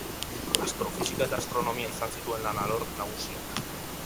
Astrofisika eta astronomia izan zituen lan alor nagusiak.